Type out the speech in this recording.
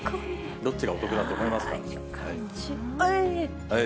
どっちがお得だと思いますか。